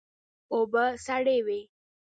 اوبه سړې وې.